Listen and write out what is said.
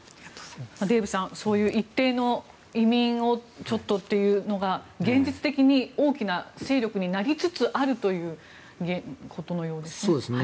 デーブさん、一定の移民をちょっとというのが現実的に大きな勢力になりつつあるということのようですね。